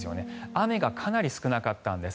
雨がかなり少なかったんです。